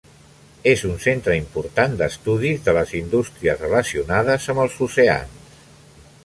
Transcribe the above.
És un centre important d'estudis de les indústries relacionades amb els oceans.